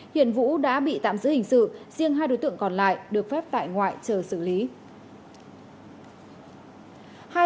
hiện vũ đã bị tạm giữ hình sự riêng hai đối tượng còn lại được phép tại ngoại chờ xử lý